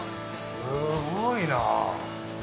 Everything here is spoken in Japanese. すごいなあ。